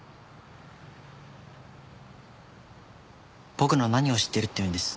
僕の何を知ってるっていうんです？